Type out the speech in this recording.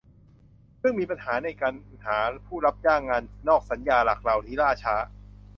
ซึ่งมีปัญหาในการหาผู้รับจ้างงานนอกสัญญาหลักเหล่านี้ล่าช้า